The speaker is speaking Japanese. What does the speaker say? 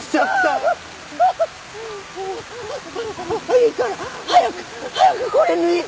いいから早く早くこれ脱いで！